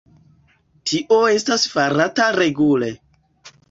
Tio estas farata regule.